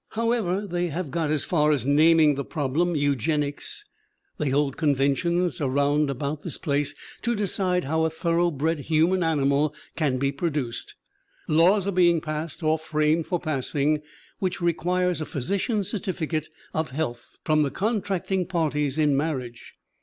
"However, they have got as far as naming the prob lem 'eugenics/ They hold conventions around about this place to decide how a thoroughbred human animal can be produced. Laws are being passed, or framed for passing, which require a physician's certificate of health from the contracting parties in marriage.